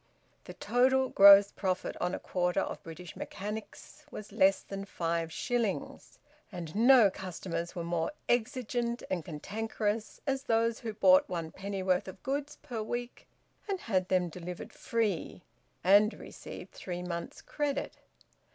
The total gross profit on a quarter of "British Mechanics" was less than five shillings, and no customers were more exigent and cantankerous than those who bought one pennyworth of goods per week, and had them delivered free, and received three months' credit.